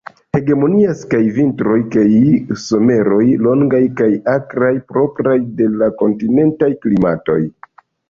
Hegemonias kaj vintroj kaj someroj longaj kaj akraj, propraj de la kontinentaj klimatoj.